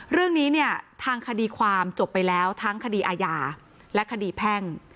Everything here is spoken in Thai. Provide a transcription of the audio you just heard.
เรื่องนี้เนี่ยทางคดีความจบไปแล้วทั้งคดีอาญาและคดีแพ่ง